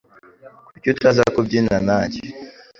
Kuki utaza kubyina nanjye?